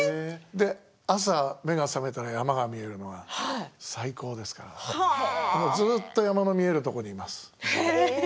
朝、目が覚めたら山が見えるのが最高ですからもうずっと山の見えるところにいます。